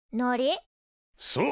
そう。